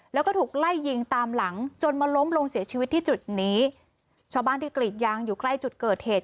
แล้วก็ถูกไล่ยิงตามหลังจนมาล้มลงเสียชีวิตที่จุดนี้ชาวบ้านที่กรีดยางอยู่ใกล้จุดเกิดเหตุ